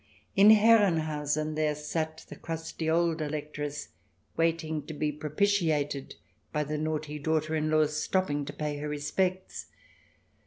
In Herrenhausen there sat the crusty old Electress, waiting to be propitiated by the naughty daughter in law's stop ping to pay her respects.